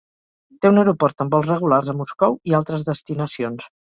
Té un aeroport amb vols regulars a Moscou i altres destinacions.